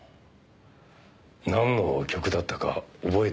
なんの曲だったか覚えてませんか？